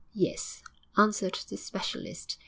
'Yes,' answered the specialist.